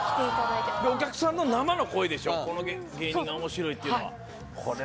それでお客さんの生の声でしょ、この芸人がおもしろいというのは。